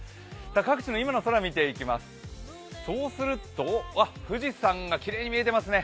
各地の今の空を見ていきますと富士山がきれいに見えていますね。